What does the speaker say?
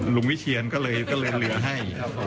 วิเชียนก็เลยเหลือให้